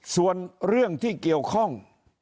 ส่วนเรื่องที่เกี่ยวข้อง